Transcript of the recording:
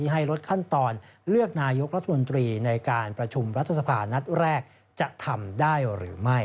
ให้ลดขั้นตอนเลือกนายกรัฐมนตรีในการประชุมรัฐสภานัดแรกจะทำได้หรือไม่